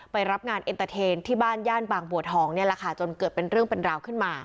ไปรับงานเอ็นเตอร์เทนที่บ้านย่านบางบัวทองนี่แหละค่ะจนเกิดเป็นเรื่องเป็นราวขึ้นมา